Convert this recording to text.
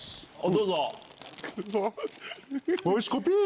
どうぞ。